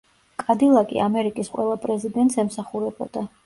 კადილაკი ამერიკის ყველა პრეზიდენტს ემსახურებოდა.